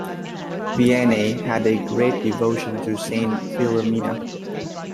Vianney had a great devotion to Saint Philomena.